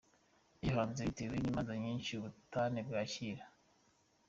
Nayihanze mbitewe n’imanza nyinshi z’ubutanem twakira.